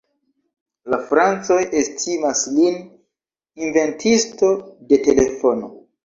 La francoj estimas lin inventisto de telefono.